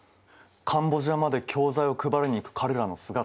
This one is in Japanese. カンボジアまで教材を配りに行く彼らの姿。